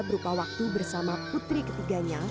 berupa waktu bersama putri ketiganya